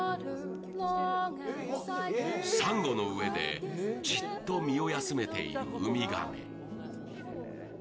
サンゴの上でじっと身を休めているウミガメ。